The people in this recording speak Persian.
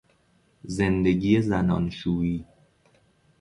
زندگی زناشویی